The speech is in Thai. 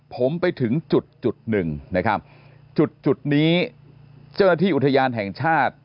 ผมไปถึงจุดจุดหนึ่งนะครับจุดจุดนี้เจ้าหน้าที่อุทยานแห่งชาติ